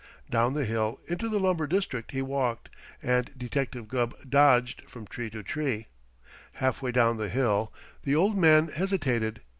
Down the hill into the lumber district he walked, and Detective Gubb dodged from tree to tree. Halfway down the hill the old man hesitated.